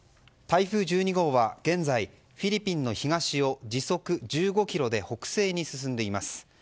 台風１２号は現在フィリピンの東を時速１５キロで北西に進んでいます。